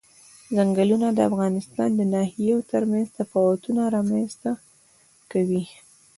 ځنګلونه د افغانستان د ناحیو ترمنځ تفاوتونه رامنځ ته کوي.